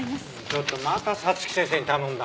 ちょっとまた早月先生に頼んだの？